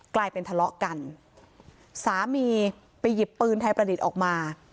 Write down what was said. กลายเป็นทะเลาะกันสามีไปหยิบปืนไทยประดิษฐ์ออกมา